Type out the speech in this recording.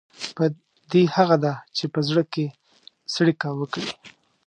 بدي هغه ده چې په زړه کې څړيکه وکړي.